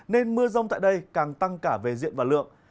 nên mưa rông tại đây càng tăng cả về diện và lượng